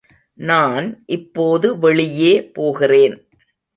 நான் இப்போது வெளியே போகிறேன்.